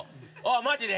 マジで？